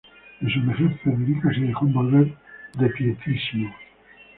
En su vejez, Federico se dejó envolver de pietismo.